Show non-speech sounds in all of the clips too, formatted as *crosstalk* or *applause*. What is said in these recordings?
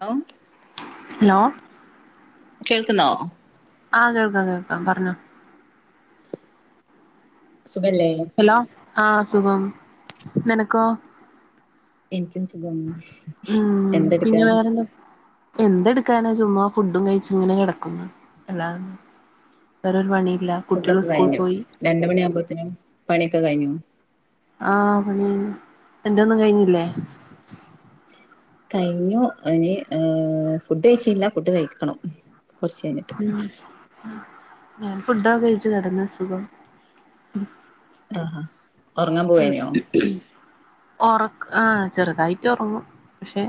Law hello കേൾക്കുന്നോ ആഹ് കേൾക്കാം കേൾക്കാം പറഞ്ഞോ സുഖല്ലേ ആഹ അ സുഖം നിനക്കോ എനിക്കും സുഖം ഉം എന്തെടുക്കാ പിന്നെ വേറെന്താ എന്തെടുക്കാനാ ചുമ്മാ ഫുഡും കഴിച്ചും ഇങ്ങനെ കിടക്കുന്നു എല്ലാ വേറരു പണി ഫുഡ ഒക്കെ കഴിഞ്ഞു രണ്ട മണിയ ആകുമ്പോഴേനും പണിയൊക്കെ കഴിഞ്ഞു ആഹ് പണി എന്റെൊന്നും കഴിഞ്ഞില്ലേ കഴിഞ്ഞു ഇനി ഏർ ഫുഡ് കഴിച്ചില്ല ഫുഡ് കഴിക്കണം കൊറച്ച് കഴിഞ്ഞിട്ട് ഞൻ ഫുഡാ കഴിച്ചു കിടന്ന സുഖം ആ ഉറങ്ങാൻ പോവന്നേ ഉറക്ക ആ ചെറുതായിട്ട് ഉറങ്ങും പക്ഷെ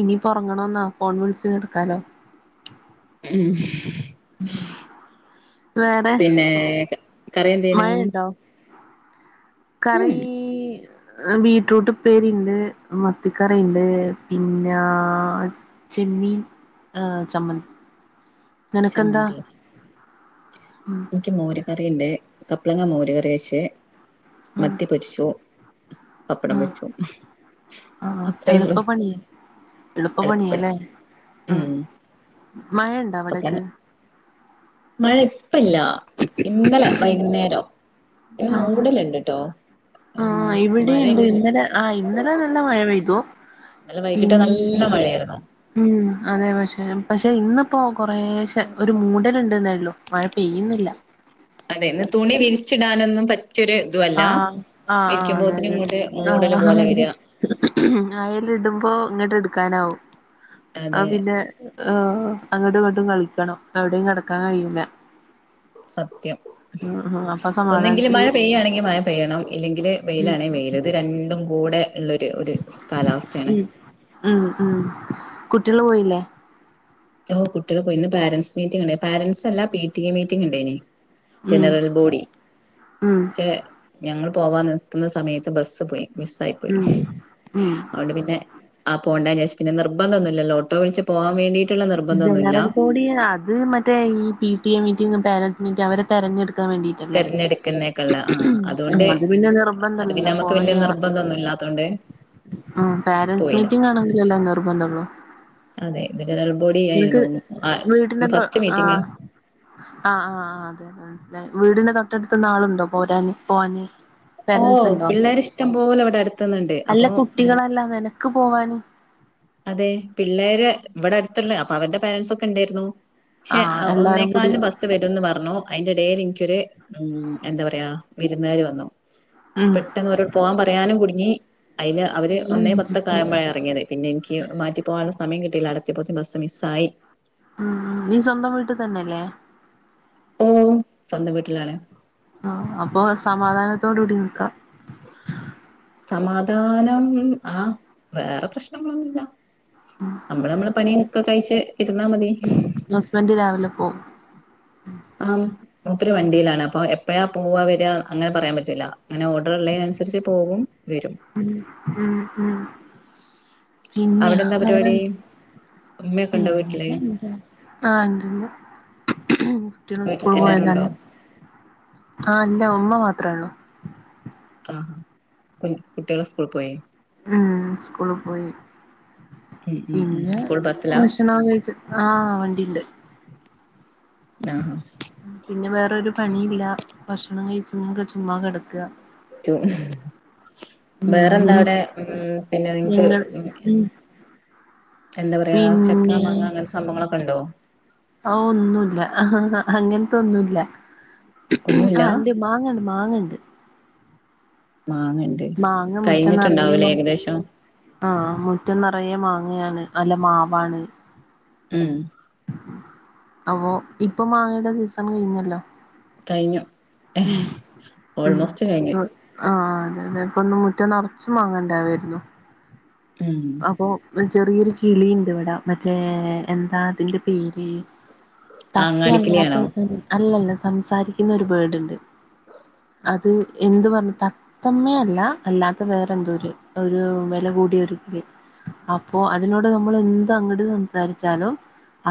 ഇനി ഒറങ്ങണെന്നാ ഫോൺ വിളിച്ച് കിടക്കാലോ ഉം വേറെ പിന്നെ കറി എന്തേനു ഉം കറീ ബീറ്റ്റൂട്ട് ഉപ്പേരി ഇണ്ട് മത്തിക്കറീണ്ട് പിന്നാ ചിക് ചെമ്മീൻ ചമ്മന്തി നിനക്കെന്താ ചമ്മന്തി ഉം എനിക്ക് മോര് കറിണ്ട് കപ്പ്ളങ്ങ മോര് കറി വെച്ച് ആഹ് മത്തി പൊരിച്ചു പപ്പടം ആഹ് പൊരിച്ചു അത്രേ ഒള്ളു എളുപ്പ പണിയല്ലേ ഉം മഴണ്ട അവിടേക്ക് കപ്ലങ്ങ മഴ ഇപ്പല്ല ഇന്നലെ വൈകുന്നേരം മൂടല് ഇണ്ട്ട്ടോ ആ ഇവിട്ണ്ട് ആ ഇന്നലെ ആ ഇന്നലെ നല്ല മഴ പെയ്തു ഇന്നലെ പിൻ വൈകിട്ട് നല്ല മഴയായിരുന്നു ഉം അതെ പക്ഷെ പക്ഷെ ഇന്നിപ്പോ കൊറേശെ ഒരു മൂടൽ ഉണ്ട്ന്നേള്ളൂ മഴ പെയ്യുന്നില്ല അതെ ഇന്ന് തുണി വിരിച്ചിടാനൊന്നും പറ്റ ആ ആ ആ അതെ ഇങ്ങോട്ട് മൂടല് പോലെ അതെ വരിക ആ അ ഇടുമ്പോ ഇങ്ങോട്ട് എടുക്കാനാവും ആ അതെ പിന്നെ ഓ അങ്ങട്ട് ഇങ്ങട്ടും കളിക്കണം എവിടെയും കടക്കാൻ കഴിയൂല്ല സത്യം അപ്പൊ ഒന്നെങ്കുൽ സമാധാനത്തില് മഴ പെയ്യാണെങ്കിൽ മഴ പെയ്യണം ഇല്ലെങ്കിൽ വെയിലാണെ വെയിൽ ഇത് രണ്ടും കൂടെ ഉള്ളൊരു ഒരു കാലാവസ്ഥയാണ് ഉം ഉം ഉം കുട്ടികള് പോയില്ലേ ഓ കുട്ടികള് പോയി ഇന്ന് പാരന്റ്സ് മീറ്റിംഗ് ഉണ്ട് പാരന്റ്സ് അല്ല പി ടി എ മീറ്റിംഗ് ഉണ്ടേനി ഉം ജനറൽ ബോഡി ഉം പക്ഷെ ഞങ്ങൾ പോവാ നിക്കുന്ന സമയത്ത് ബസ് പോയി മിസ്സായി പോയി ഉം ഉം അതുകൊണ്ട് പിന്നെ അ പോണ്ട വിചാരിച്ച് പിന്ന നിർബന്ധ ഒന്നുല്ലല്ലോ ഓട്ടോ വിളിച്ച് പോവാൻവേണ്ടി ജനറൽ ബോഡി അത് മറ്റേ ഈ P T A meeting parents meeting അവരെ തെരഞ്ഞെടുക്ക ൻ വേണ്ടിട്ടല്ലേ തെരഞ്ഞെടുക്കുന്നേക്കുള്ള ആ അതുകൊണ്ട് അത് പിന്നെ നിർബന്ധല്ലല്ലോ പോവണ്ട അതോണ്ടേ ആ പാരന്റ്സ് മീറ്റിംഗ് ആണെങ്കിൽ അല്ലേ നിർബന്ധള്ളു അതെ ഇത് ജനറൽ ബോഡി എനിക്ക് ആയിരുന്നു ആ വീട്ടന്റെ ഇത് ഫസ്റ്റ് ആ മീറ്റിംഗ് ആ ആ ആ വീടിന്റെ തൊട്ടടുത്ത്ന്ന് ആളുണ്ടോ പോരാന് പോവാന് ഓ പേരന്റ്സ് ഉണ്ടോ പിള്ളേർ ഇഷ്ടം പോലെ ഇവിടെ അടുത്തുന്നുണ്ട് അല്ല അപ്പൊ ഉം കുട്ടികളല്ലാതെ ക്ക് പോവാന് അതെ പിള്ളേര് ഇവിടെ അടുത്തുള്ള അപ്പൊ അവര്ടെ പേരെന്റ്സ് ഒക്കെ ഉണ്ടായിരുന്നു പക്ഷെ ആഹ് എല്ലാരും കൂടി ഒന്നേക്കാലിന് ബസ്സ് വരുംന്ന് പറഞ്ഞു അതിന്റെ എടേൽ എനിക്കൊരു ഉം എന്താ പറയാ വിരുന്നുകാർ വന്നു ഉം പെട്ടെന്ന് അവരോട് പോവാാൻ പറയാനും കുടുങ്ങി അതിന് അവര് ഉം ഒന്നേ പത്തൊക്കായപ്പോഴാ ഇറങ്ങിയത് പിന്നെ എനിക്ക് മാറ്റിപ്പോവാനുള്ള സമയം അടത്തി പോ ബസ് മിസ്സായി ഉം നീ സ്വന്തം വീട്ടിൽ തന്നെല്ലേ ഓ സ്വന്തം വീട്ടിലാണ് ആ അപ്പൊ സമാധാനത്തോടുകൂടി നിക്കാം സമാധാനം ആ വേറെ പ്രശ്നങ്ങളൊന്നുല്ല നമ്മള് നമ്മള് പണിയ ഒക്കെ കഴച്ച് ഇരുന്നാ മതി ഹസ്ബന്റ് രാവിലെ പോവും ആ ഒത്തിരി വണ്ടിയിലാണ് അപ്പൊ എപ്പഴാ പോവാ വര അങ്ങനെ പറയാൻ പറ്റൂല അങ്ങനെ ഓർഡർ ഉള്ളതിനനുസരിച്ച് പോകും വരും ഉ ഉ പിന്നെ അവിടെ എന്താ വേറെ പരിപാടി ഉമ്മയൊക്കെ പി ഉണ്ടോ വീട്ടില് എന്ത ആഹ എന്തണ്ട് കുട്ടികളും വീട്ടിൽ സ്കൂൾ എല്ലാരും ഉണ്ടോ പോയതാണ്െ ആ അല്ല ഉമ്മ മാ തത്രെണ്ട് ആ കുട്ടികളെ സ്കൂൾ പോയി ഉ സ്കൂള് പോയി ഉം ഉം ഉം പിന്നെ സ്കൂൾ ബസ്സിലാ വിഷണ കഴിച്ചു ആഹ വണ്ടിുണ്ട് ആഹ് പിന്നെ വേറരു പണിയില്ല ഭക്ഷണം കഴിച്ചങ്ങക്കെ ചുമ്മാ കിടക്കുക വേറെന്താ ഉം അവിടെ ഉ പിന്നെ നിങ്ങക്ക് ഞങ്ങൾ ഉം എന്താ പറയാ ചെക്ക പിന്നെ മാങ്ങ അങ്ങനെ സംഭവങ്ങളൊക്കെ ഉണ്ടോ ആ ഒന്നുമല്ല ആ അങ്ങനത്തെ ഒന്നുമല്ല ഒന്നുല്ല ആഹ ഉണ്ട് മാങ്ങണ്ട് മാങ്ങണ്ട് മാങ്ങണ്ട് മാങ്ങ മുറ്റം നിറയെ കഴിഞ്ഞിട്ടുണ്ടാവൂലേ മാ ഏകദേശം ആഹ മുറ്റം നിറയെ മാങ്ങ അങ്ങയാണ് അല്ല മാവാണ് ഉം അപ്പൊ ഇപ്പൊ മാങ്ങയുടെ സീസൺ കഴിഞ്ഞല്ലോ കഴിഞ്ഞു ഉ ഉ ഓൾമോസ്റ്റ് കഴിഞ്ഞു ആഹ അതെ അതെ അപ്പൊന്നന്ന് മുറ്റ നിറച്ചും വാങ്ങണ്ടാവായിരുന്നു ഉം അപ്പൊ ചെറിയൊരു കിളിുണ്ട് ഇവിടാ മറ്റേ എന്താ അതിന്റെ പേര് ആ, തത്യ അങ്ങാടിക്കിളിയാണോ അല്ലാത്ത സം അല്ലല്ല സംസാരിക്കുന്ന ഒരു ബേർഡ് ഉണ്ട് അത് എന്ത് പറ തത്തമ്മേ അല്ല അല്ലാത്ത വേറെ എന്തോ ഒരു വില ക ടൊ അപ്പോൊ അതിനോട് നമ്മൾ എന്ത് അങ്ങോട്ട് സംസാരിച്ചാലും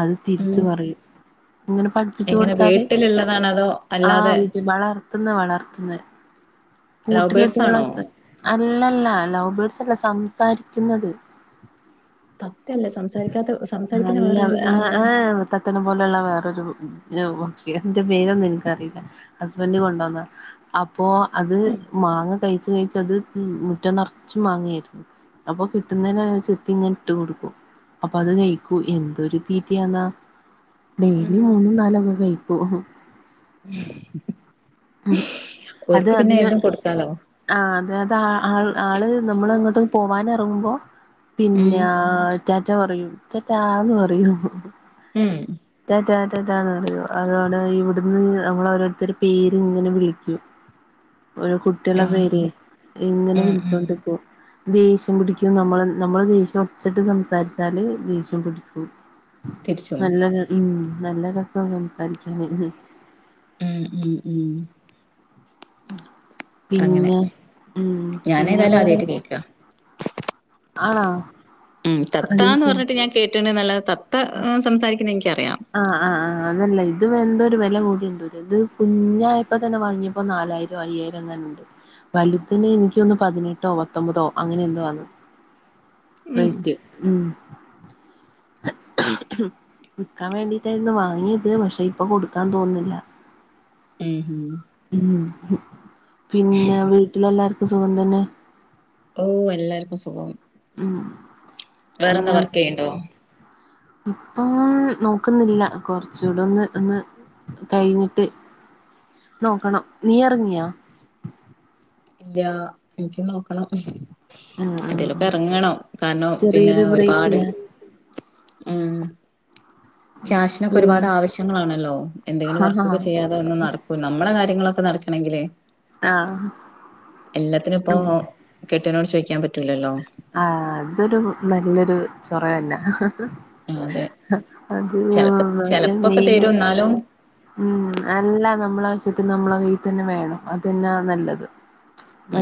അത് തിരിച്ച ഉം പറയും ഇങ്ങനെ പഠിപ്പിച്ചു എങ്ങനെ കൊടുത്താല് വീട്ടിലുള്ളതാണോ അതോ ആഹ അല്ലാതെ വീട്ടിൽ വളർത്തുന്ന വളർത്തുന്ന ലവ് കൂട്ടിലിട്ട് ബേർഡ്സ് ആണോ വളർത്ത ഉള്ളല്ല ലവ്ബേഡ്സ് അല്ല സംസാരിക്കുന്നത് തത്തയല്ലേ സംസാരിക്കാത്ത സംസാരിക്കുന്ന നല്ല വേറെ ഏത് ആ കിളിയല്ലേ ഏഹ് തത്തേനെ പോലെയുള്ള വേറൊരു ഇ ക്ഷി അതിന്റെ പേരൊന്നും എനിക്കറിയില്ല ഹസ്ബൻഡ് കൊണ്ടുവന്നതാ അ അപ്പോ അത് മാങ്ങ കഴിച്ചു കഴിച്ച് അത് മുറ്റം നിറച്ച് മാങ്ങായിരുന്നു. അപ്പൊ കിട്ടുന്നേനനുസരിത്തി ഇങ്ങനെ ഇട്ട് കൊടുക്കും. അപ്പൊ അത് കഴിക്കൂ എന്തൊരു തീറ്റയാന്നാ. ഡെയിലി ഉം മൂന്നും നാലൊക്കെ കഴിക്കും. അത് ഓര്ക്ക് പിന്നെ അതിന് ഏതും കൊടുക്കാലോ ആ അത് ആ ആള് നമ്മൾ അങ്ങോട്ട് പോവാന് ഇറങ്ങുമ്പോ ഉം പിന്നെ റ്റാ റ്റ പറയും റ്റാറ്റാന്ന് പറയും. ഉം റ്റാറ്റാന്നറിയും അതോടെ ഇവിടുന്ന് നമ്മളോരോത്തരു പേര് ഇങ്ങനെ വിളിക്കും. ഒരു കുട്ടികളെ പേര് ആഹ് എങ്ങനെ ഉം ഉം വിളിച്ചോണ്ടിക്കും ദേഷ്യം പിടിക്കും നമ്മ നമ്മള് ദേഷ്യം ഒച്ചിട്ട് സംസാരിച്ചാല് ദേഷ്യം പിടിക്കും. തിരിച്ചും നല്ല ഉം നല്ല രസം സംസാരിക്കാന്. ഉം ഉം ഉം അങ്ങനെ പിന്നെ ഉം പിന്നെ ഞാനേതായാലും വേറെ? ആദ്യായിട്ട് കേക്കാ ആണോ? ഉം തത്താ അത് എന്ന് ശരി പറഞ്ഞിട്ട് ഞാൻ കേട്ടിട്ടണ്ട് നല്ല തത്ത സംസാരിക്കുന്ന എ ആഹ് ആഹ് ആഹ് അതല്ല ഇത് എന്തൊരു വില കൂടിയ എന്തോ ഇത് കുഞ്ഞായപ്പോ തന്നെ വാങ്ങിയപ്പോ ന നാലായിരം അയ്യായിരങ്ങാനുണ്ട് വലുതെ എനിക്ക് തോന്ന് പതിനെട്ടോ പത്തൊമ്പതോ അങ്ങനെ എന്തോവാന്ന്. ഉം റേറ്റ് ഉം വിക്കാൻ വേണ്ടിട്ടായിരുന്നു വാങ്ങിയത് പക്ഷേ ഇപ്പൊ കൊടുക്കാൻ തോന്നുന്നില്ല. ഉം ഉം ഉം പിന്നെ വീട്ടിലെല്ലാർക്കും സുഖം തന്നേ? ഓഹ് എല്ലാർക്കും സുഖം ഉം വേറെന്താ വർക്ക് ചെയ്യണ്ടോ? ഇപ്പൊ നോക്കുന്നില്ല കൊറച്ചൂടെ ഒന്ന് ഒന്ന് കഴിഞ്ഞിട്ട് നോക്കണം നീ ഇറങ്ങിയാ? ഇല്ല എനിക്ക് നോക്കണം. ഉം ഉം എന്തേലൊക്കെ ഉം ഇറങ്ങണം കാരണം പിന്നെ ചെറിയൊരു ഒരുപാട് ബ്രേക്കില്ലേ ഉം ക്യാഷിനൊക്കെ ഒരു ഒരുപാട് ആവശ്യങ്ങളാണല്ലോ എന്തെങ്കിലും ആഹ് വർക്കൊക്കെ ചെയ്യാതെ ഒന്ന് നടക്കൂ നമ്മളെ കാര്യങ്ങളൊക്കെ നടക്കണെങ്കിലേ ആഹ് എല്ലാത്തിനും ഇപ്പോ കെ രോട് ചോയിക്കാൻ പ ആ അതൊരു നല്ലൊരു ചൊറ തന്നാ. അതെ അത് ചെലപ്പോ ചെലപ്പൊക്കെ തരും *unintelligible* എന്നാലും ഉം അല്ല നമ്മളെ വശ്യത്തിന് നമ്മളെ കയ്യിൽ തന്നെ വേണം അതെന്നാ നല്ലത്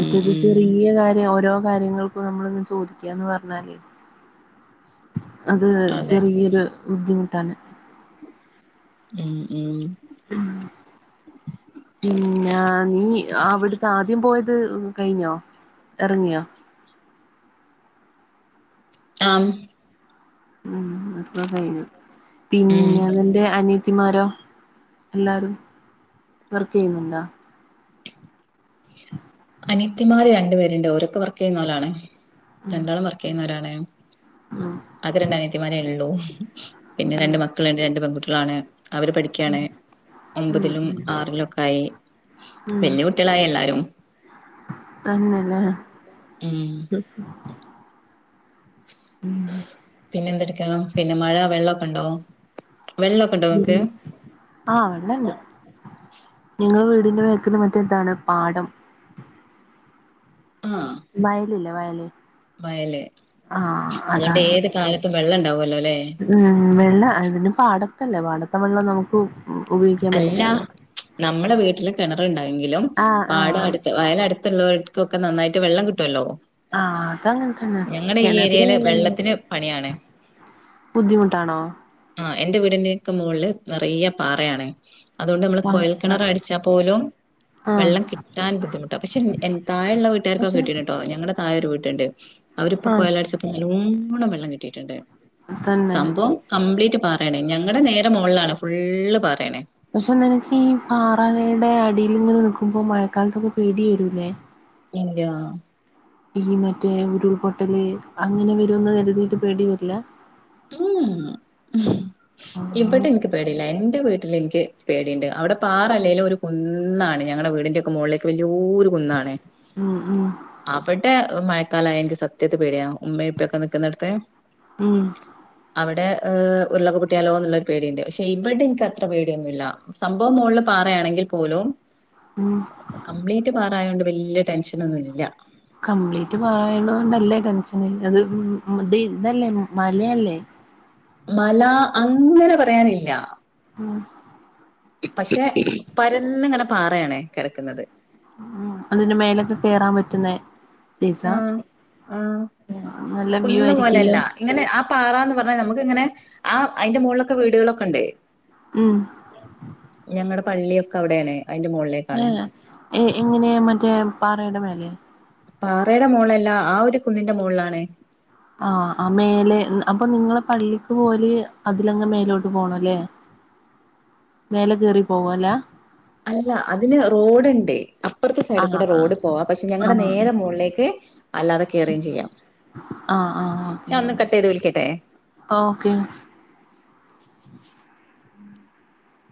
ഉം ഉം ചെറിയ കാര്യം ഒ ഓരോ കാര്യങ്ങൾക്കും നമ്മളെന്ന് ചോദിക്കാന്ന് പറഞ്ഞാലേ അത് അതെ ചെറിയൊരു ബുദ്ധിമുട്ടാണ്. ഉം ഉം ഉം പിന്നെ നീ അവിടുത്തെ ആദ്യം പോയത് കഴിഞ്ഞോ? ഇറങ്ങിയോ? ആം ഉം അതൊക്കെ കഴിഞ്ഞു ഉം പിന്നെ നിന്റെ അനി യത്തിമാരോ എല്ലാരും വർക്ക് ചെയ്യുന്നുണ്ടോ? അനിയത്തിമാര് രണ്ടു പേരുണ്ട് ഓരൊക്കെ വർക്ക് ചെയ്യുന്നവരാണ് ഉം രണ്ടാളും വർക്ക് ചെയ്യുന്നവരാണ്. ഉം ആകെ രണ്ട് അനിയത്തിമാരേ ഉള്ളൂ പിന്നെ ഉം രണ്ട് മക്കളുണ്ട് രണ്ട് പെൺകുട്ടികളാണ്. അവര് പഠിക്കാണ്. ഉം ഒമ്പതിലും ഉം ആറിലും ഒക്കെ ആയി വല്യ കുട്ടികളായി എല്ലാരും. തന്നെയല്ലേ ഉം ഉ *unintelligible* പിന്നെ എന്തെടുക്കാ പിന്നെ മഴ വെള്ളമൊക്കെ ഉണ്ടാവോ ഉ ആഹ് വെണണ്ട് നിങ്ങള്ൾ വീടിന്റെ മേക്കൽ മറ്റ എന്താണ് പാടം ആഹ *unintelligible* വയലല്ലേ വയല് മയല ആഹ് അതുകൊണ്ട് അതാണ് ഏത് കാലത്തും വെള്ള ഉണ്ടാവും *unintelligible* ഉം വെള്ള അതിന് പാടത്തല്ലേ പാടത്തെ വെള്ളം നമുക്ക് ഉപയോഗിക്കാൻ അല്ല പറ്റില്ലല്ലോ നമ്മുടെ വീട്ടില് കിണറുണ്ടായെങ്കിലും ആഹ് പാടം ആഹ് അടുത്ത് വയല അടുത്തുള്ളവർക്കൊക്കെ നന്നായിട്ട് വെള്ളം കിട്ടുമല്ലോ ആഹ അതങ്ങനെ തന്നെ ഞങ്ങളുടെ ഈ കിണ ഏരിയയില് വെള്ളത്തിന് പണിയാണ് ബുദ്ധിമുട്ടാണോ എൻ്റെ വീടിൻ്റെയൊക്കെ മുകളിൽ നിറയ പാറയാാണ് അതുകൊണ്ട് നമ്മള് കോഴൽ പാറ കിണർ അടിച്ചാൽ പോലും ആഹ് വെള്ളം കിട്ടാൻ ബുദ്ധിുട്ട പെൻ തായുള്ള വീട്ടുകാക്ക പക്ഷെ കിട്ടീട്ടോ ഞങ്ങളടെ തായൊ ഒരു വീട്ട ണ്ട് അവരിപ്പോ ആഹ് കൊലാഴ്ചപ്പോ നല്ലോണ്ണം വെള്ളം കിട്ടിയിട്ടുണ്ട് തന്നെ സംഭവം കംപ്ലീറ്റ് പറയണേ ഞങ്ങളുടെ നേരെ മുകളാണ് ഫുള്ള് പറയണേ പക്ഷെ നിനക്ക് ഈ പാറാനയുടെ അടിൽിങ്ങനെ നക്കുമ്പോ മഴക്കാലത്തൊക്കെ പേടി വരൂല്ലേ ഇല്ലയ ഈ മറ്റേ ഉരുൾപൊട്ടല് അങ്ങനെ വരുമന്ന് കരുതിയിട്ട് പേടി വരില്ല ഉ ഇവിടെ ആഹ് എനിക്ക് പേടല്ല എറെ വീട്ട വീട്ടിൽ എനിക്ക് പേടിയുണ്ട് അവിടെ പാറല്ലേലും ഒരു കുന്നാണ് ഞങ്ങളുടെ വീടിന്റെ ഒക്കെ മുകളിലേക്ക് വലിയ ഒരു കുന്നാണ് ഉം ഉം അവിടെ മഴ തല എനിക്ക് സത്യത്തി പേടിയാ ഉമ്മ ഇപ്പൊക്കെ നിൽക്കുന്നിടത്തെ ഉം അവിടെ ഉള്ളവ കുട്ടിയാലോ എന്നുള്ളരു പേടിയുണ്ട് പക്ഷെ ഇവിടെ എനിക്ക്ത്ര പേടിയൊന്നുമ ഇല്ല സംഭവം മ പാറണെങ്കിൽ പോലും ഉം കപ്ലീറ്റ് പാറായതൊണ്ട് വലിയ ടെൻഷനൊന്നുംല്ല കംപ്ലീറ്റ് പറണൊണ്ടല്ലേ ടെൻഷന് അത് ഇ ഇതല്ലേ മലയല്ലേ മല അങ്ങനെ പറയാനില്ല ഉം പക്ഷെ പരന്ന്ിങ്ങനെ പാറയാണേ കിടക്കുന്നത് ഉ അതിന് മേലൊക്കെ കേയറാൻ പറ്റുന്നേ സീസ ആഹ ആഹ നല്ല വ്യൂ കുഞ്ഞിന്ന് ആയിരിക്കല്ലോ പോലെയല്ല ഇങ്ങനെ ആ പാറന്ന് പറഞ്ഞാൽ നമുക്ക്ങ്ങനെ ആ അതിന്റെ മുകളിലൊക്കെ വീടുകളൊക്കെ ഉണ്ട് ഉം ഞങ്ങടെ പള്ളിയൊക്കെ അവിടെയാണ് അയിന്റെ മോളിലേക്കാണ് ആഏ ഏ എങ്ങനെയാ മറ്റേ പാറയുടെ മേലെ പാറയുടെ മുകളളല്ല ആ ഒരു കുന്നിന്റെ മുകളിലാണ ആ ആ മേലെ അപ്പൊ നിങ്ങള പള്ളിക്ക് പോലെ അതിലങ്ങ് മേലോട്ട് പോണം അല്ലേ മേലെ കയറി പോവല്ലാ അല്ല അതിന് റോഡുണ്ട് അപ്പുറത്തെ സൈഡ് ആഹ് കൂടെ ആഹ് റോഡ് പോവാ പക്ഷെ ഞങ്ങളുടെ ആഹ് നേരെ മുകളിലേക്ക് അല്ലാതെ കയറുകയും ചെയ്യാം ആഹ ആഹ ഞാൻ ഒന്ന് കട്ട് ചെയ്ത് വിളിക്കട്ടെ ഓ ഓക്കെ